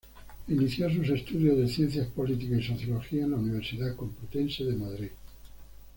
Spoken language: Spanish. Inició sus estudios de ciencias políticas y sociología en la Universidad Complutense de Madrid.